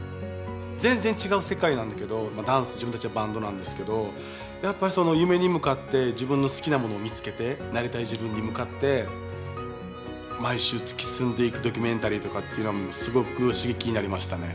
全然違う世界なんだけどダンス自分たちはバンドなんですけどやっぱりその夢に向かって自分の好きなものを見つけてなりたい自分に向かって毎週突き進んでいくドキュメンタリーとかっていうのはすごく刺激になりましたね。